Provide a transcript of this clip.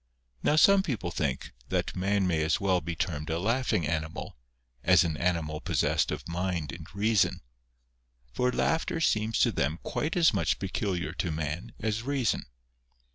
Now some people think that man may 146 PANEGYRIC OF BIRDS. as well be termed a laughing animal, as an animal pos sessed of mind and reason; for laughter seems to them quite as much peculiar to man as reason.